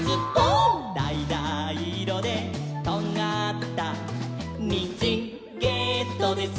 「だいだいいろでとんがった」「にんじんゲットです！」